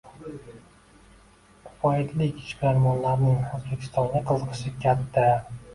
Quvaytlik ishbilarmonlarning O‘zbekistonga qiziqishi kattang